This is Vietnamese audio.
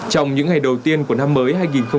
trong những ngày đầu tiên của năm mới hai nghìn hai mươi